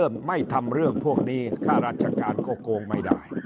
ไม่ทำเรื่องพวกนี้ค่าราชการก็โกงไม่ได้